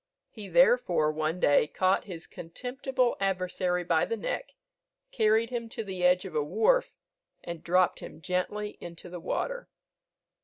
He, therefore, one day caught his contemptible adversary by the neck, carried him to the edge of a wharf, and dropped him gently into the water.